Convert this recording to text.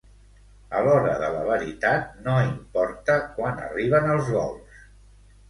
A l'hora de la veritat, no importa quan arriben els gols.